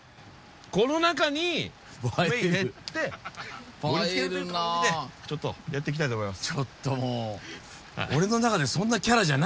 この中に米入れて盛りつけるという感じでやっていきたいと思います。